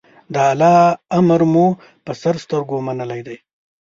د الله امر مو په سر سترګو منلی دی.